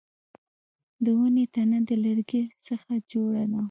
د ونې تنه د لرګي څخه جوړه ده